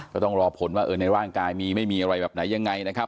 ก็ต้องรอผลว่าในร่างกายมีไม่มีอะไรแบบไหนยังไงนะครับ